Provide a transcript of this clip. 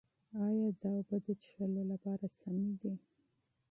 ایا دا اوبه د څښلو لپاره سمې دي؟